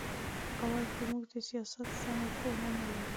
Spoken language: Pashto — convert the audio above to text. اول خو موږ د سیاست سمه پوهه نه لرو.